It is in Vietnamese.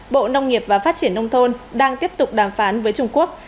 bộ nông nghiệp và phát triển nông thôn đang tiếp tục đàm phán với trung quốc